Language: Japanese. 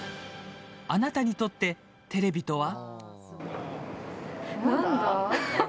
あなたにとって、テレビとは？